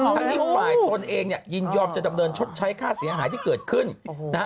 ทั้งนี้ฝ่ายตนเองเนี่ยยินยอมจะดำเนินชดใช้ค่าเสียหายที่เกิดขึ้นนะฮะ